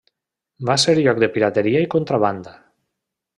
Va ser lloc de pirateria i contraban.